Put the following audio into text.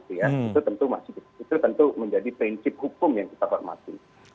itu tentu menjadi prinsip hukum yang kita hormati